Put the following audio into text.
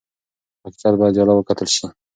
حقیقت باید جلا وکتل شي.